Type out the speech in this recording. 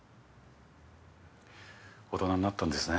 大人になったんですね